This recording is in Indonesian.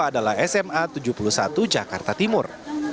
adalah sma tujuh puluh satu jakarta timur